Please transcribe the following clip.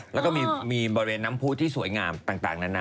แล้วก็มีบริเวณน้ำผู้ที่สวยงามต่างนานา